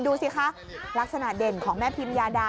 ดูสิคะลักษณะเด่นของแม่พิมยาดา